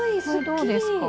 どうですか？